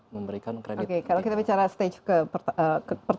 memberikan kredit oke kalau kita bicara stage